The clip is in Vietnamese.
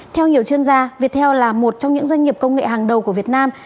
theo nhiều chuyên gia viettel là một trong những doanh nghiệp công nghệ hàng đầu của việt nam